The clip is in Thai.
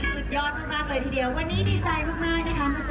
สุดยอดมากเลยทีเดียววันนี้ดีใจมากนะคะ